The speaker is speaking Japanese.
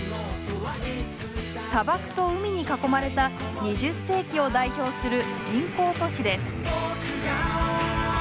砂漠と海に囲まれた２０世紀を代表する人工都市です。